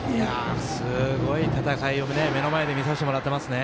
すごい戦いを目の前で見させてもらってますね。